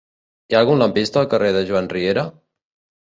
Hi ha algun lampista al carrer de Joan Riera?